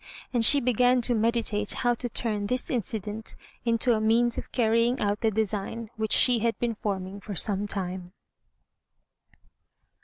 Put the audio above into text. And she began to meditate how to turn this incident into a means of carrying out the design which she had been forming for some time.